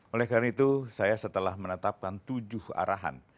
oleh karena itu saya setelah menetapkan tujuh arahan